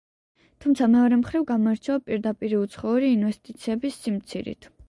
თუმცა, მეორე მხრივ, გამოირჩევა პირდაპირი უცხოური ინვესტიციების სიმცირით.